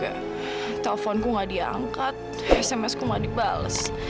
ya teleponku nggak diangkat sms ku nggak dibalas